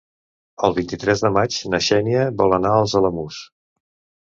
El vint-i-tres de maig na Xènia vol anar als Alamús.